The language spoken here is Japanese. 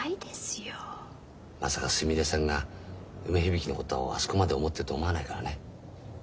まさかすみれさんが梅響のことをあそこまで思ってるとは思わないからね。